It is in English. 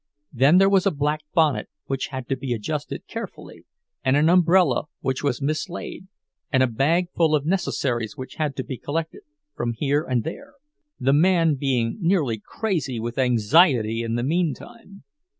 Then there was a black bonnet which had to be adjusted carefully, and an umbrella which was mislaid, and a bag full of necessaries which had to be collected from here and there—the man being nearly crazy with anxiety in the meantime.